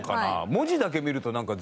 文字だけ見るとなんか。